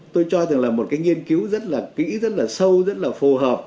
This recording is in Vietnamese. tôi cho rằng là một cái nghiên cứu rất là kỹ rất là sâu rất là phù hợp